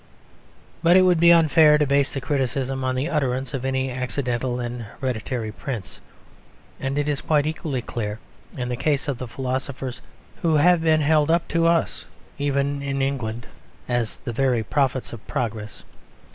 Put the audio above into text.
But it would be unfair to base the criticism on the utterance of any accidental and hereditary prince: and it is quite equally clear in the case of the philosophers who have been held up to us, even in England, as the very prophets of progress.